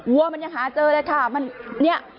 วัวมันยังหาเจอเลยค่ะมันเนี่ย